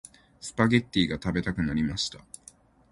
スパゲッティが食べたくなりました。